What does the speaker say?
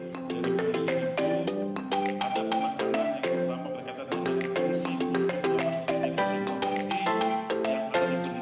kinerja bnsp menjaga kepentingan dan kepentingan masyarakat di bnsp